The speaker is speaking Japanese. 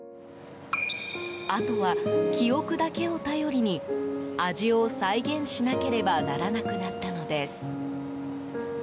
あとは、記憶だけを頼りに味を再現しなければならなくなったのです。